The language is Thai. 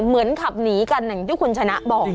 เหมือนขับหนีกันอย่างที่คุณชนะบอก